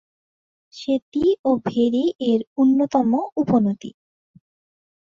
সেতী ও ভেরী এর অন্যতম উপনদী।